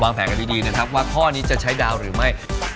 แผนกันดีนะครับว่าข้อนี้จะใช้ดาวหรือไม่